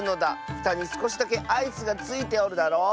ふたにすこしだけアイスがついておるだろう？